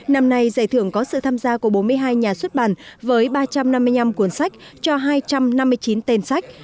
năm nay giải thưởng có sự tham gia của bốn mươi hai nhà xuất bản với ba trăm năm mươi năm cuốn sách cho hai trăm năm mươi chín tên sách